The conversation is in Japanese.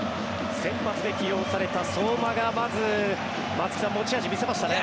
先発で起用された相馬がまず、松木さん持ち味を見せましたね。